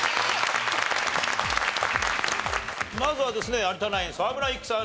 まずはですね有田ナイン沢村一樹さん